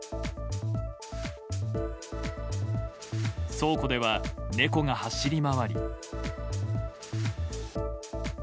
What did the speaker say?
倉庫では猫が走り回り。